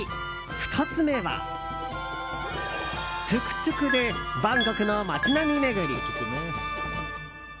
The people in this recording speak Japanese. ２つ目はトゥクトゥクでバンコクの街並み巡り。